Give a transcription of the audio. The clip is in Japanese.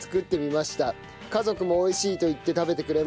家族も美味しいと言って食べてくれました。